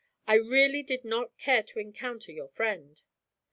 I really did not care to encounter your friend.'